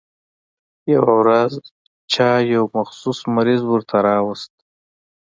يوه ورځ چا يو مخصوص مریض ورته راوست.